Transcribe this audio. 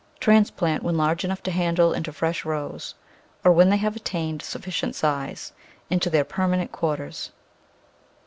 Transplant when large enough to handle into fresh rows or, when they have attained sufficient size, into their permanent quarters.